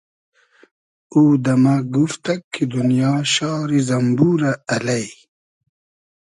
او دۂ مۂ گوفتئگ کی دونیا شاری زئمبورۂ الݷ